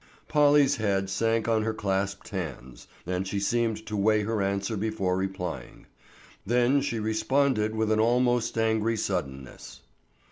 Polly's head sank on her clasped hands, and she seemed to weigh her answer before replying; then she responded with almost an angry suddenness.